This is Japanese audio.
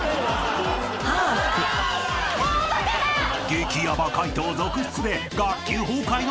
［激ヤバ解答続出で学級崩壊の危機？］